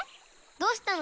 どうしたの？